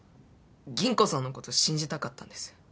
吟子さんのこと信じたかったんです。